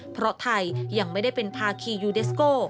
เพราะไทยยังไม่ได้เป็นภาคียูเดสโก